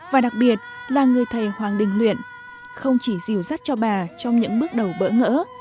và đặc biệt là người thầy hoàng đình luyện không chỉ dìu dắt cho bà trong những bước đầu bỡ ngỡ